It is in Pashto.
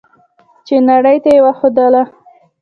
چې نړۍ ته یې وښودله.